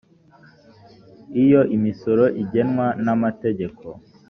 iyo misoro igenwa n amategeko